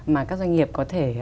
mà các doanh nghiệp có thể